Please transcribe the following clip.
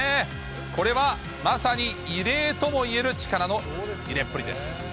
これはまさに異例ともいえる力の入れっぷりです。